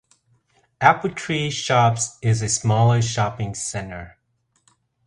Appletree Shops is a smaller shopping centre.